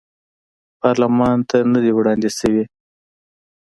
پارلمان ته نه دي وړاندې شوي.